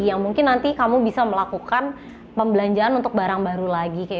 yang mungkin nanti kamu bisa melakukan pembelanjaan untuk barang baru lagi